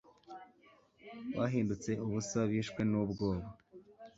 bahindutse ubusa bishwe n'ubwoba